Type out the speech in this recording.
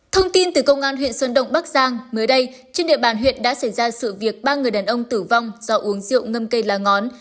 thông tin từ công an huyện sơn động bắc giang mới đây trên địa bàn huyện đã xảy ra sự việc ba người đàn ông tử vong do uống rượu ngâm cây lá ngón